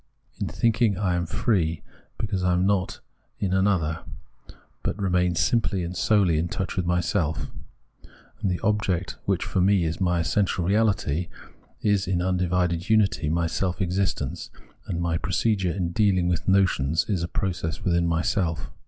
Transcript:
In thinking I am free, because I am not in an other, but remain simply and solely in touch with myself ; and the object which for me is my essential reality, is in undivided unity my self existence ; and my procedure in dealing with notions is a process within myself.